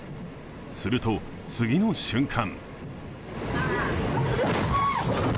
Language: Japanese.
すると、次の瞬間。